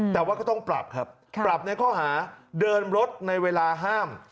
แต่ว่าก็ต้องปรับครับปรับในข้อหาเดินรถในเวลาห้าม